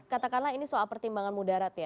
katakanlah ini soal pertimbangan mudarat ya